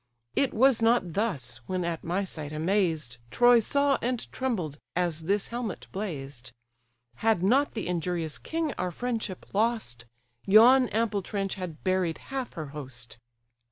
It was not thus, when, at my sight amazed, Troy saw and trembled, as this helmet blazed: Had not the injurious king our friendship lost, Yon ample trench had buried half her host.